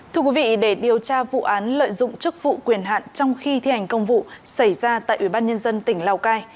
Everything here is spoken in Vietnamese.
thưa quý vị để điều tra vụ án lợi dụng chức vụ quyền hạn trong khi thi hành công vụ xảy ra tại ủy ban nhân dân tỉnh lào cai